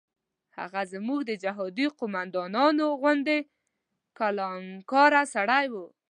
هغه زموږ د جهادي قوماندانانو غوندې کلانکاره سړی و.